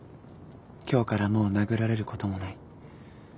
今日からもう殴られることもない。